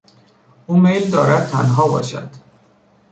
او میل دارد تنها باشد.